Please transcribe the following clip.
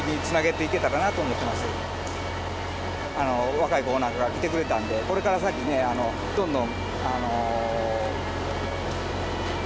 若い子なんかが来てくれたんでこれから先ねどんどん。